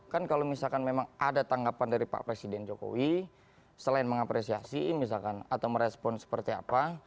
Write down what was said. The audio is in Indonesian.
kan kalau misalkan memang ada tanggapan dari pak presiden jokowi selain mengapresiasi misalkan atau merespon seperti apa